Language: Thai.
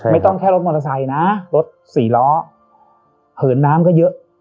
ไม่ต้องแค่รถมอเตอร์ไซค์นะรถสี่ล้อเหินน้ำก็เยอะ